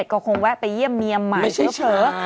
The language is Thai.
ก็คงแวะไปเยี่ยมเมียมใหม่เถอะเผอะ